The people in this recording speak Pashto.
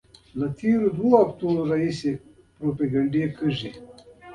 له تېرو دوو اونیو راهیسې پروپاګندونه کېږي.